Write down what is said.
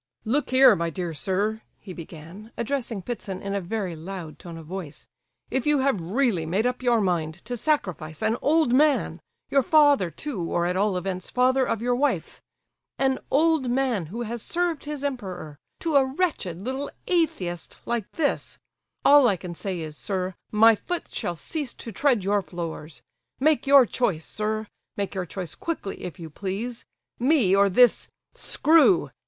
"Look here, my dear sir," he began, addressing Ptitsin in a very loud tone of voice; "if you have really made up your mind to sacrifice an old man—your father too or at all events father of your wife—an old man who has served his emperor—to a wretched little atheist like this, all I can say is, sir, my foot shall cease to tread your floors. Make your choice, sir; make your choice quickly, if you please! Me or this—screw!